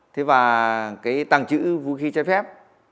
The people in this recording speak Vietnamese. thế và cái tàng trữ vũ khí trái phép